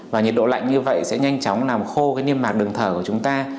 và nhiệt độ lạnh như vậy sẽ nhanh chóng làm khô cái niêm mạc đường thở của chúng ta